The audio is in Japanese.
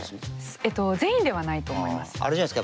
えっと全員ではないと思います。